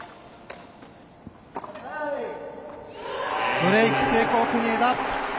ブレイク成功、国枝。